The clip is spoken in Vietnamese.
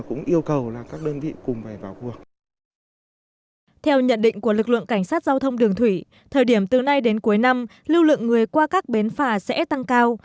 lực lượng người qua các bến phà sẽ tăng cao